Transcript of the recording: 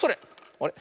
あれ？